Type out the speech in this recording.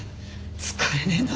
使えねえな！